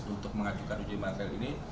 untuk mengajukan uji material ini